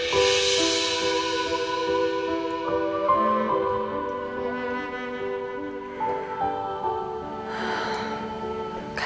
tidak ada apa apa